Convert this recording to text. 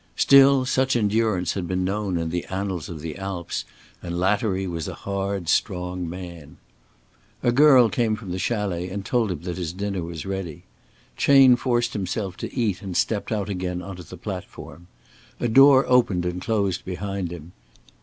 Still such endurance had been known in the annals of the Alps, and Lattery was a hard strong man. A girl came from the chalet and told him that his dinner was ready. Chayne forced himself to eat and stepped out again on to the platform. A door opened and closed behind him.